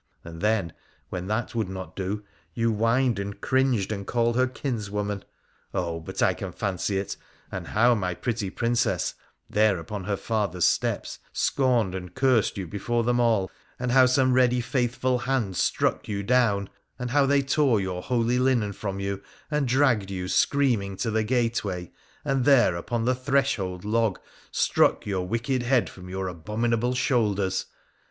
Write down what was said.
And then, when that would not do, you whined and cringed and called her kinswoman. Oh, but I can fancy it, and how my pretty Princess— there upon her father's steps — scorned and cursed you before them all, and how some ready faithful hand struck you down, and how they tore your holy linen from you and dragged you screaming to the gateway, and there upon the threshold log struck your wicked head from your abominable shoulders